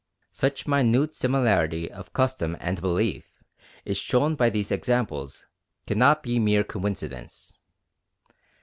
Such minute similarity of custom and belief as is shown by these examples cannot be mere coincidence.